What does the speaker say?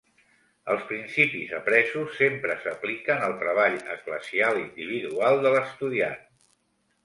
Els principis apresos sempre s'apliquen al treball eclesial individual de l'estudiant.